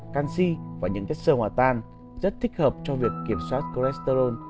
canxi và những chất sơ hòa tan rất thích hợp cho việc kiểm soát cholesterol